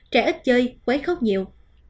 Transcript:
trẻ ít chơi quấy khóc nhiều